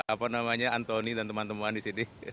apa namanya antoni dan teman teman di sini